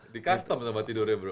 di custom tempat tidurnya bro